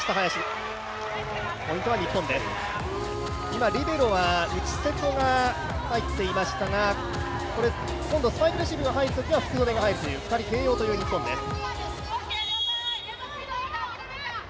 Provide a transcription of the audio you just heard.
今、リベロは内瀬戸が入っていましたが今度はスパイクレシーブが入るときは福留が入って、２人併用という日本です。